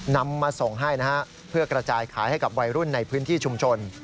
นำมาส่งให้นะฮะเพื่อกระจายขายให้กับวัยรุ่นในพื้นที่ชุมชน